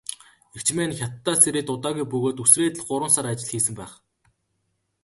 Эгч маань Хятадаас ирээд удаагүй бөгөөд үсрээд л гурван сар ажил хийсэн байх.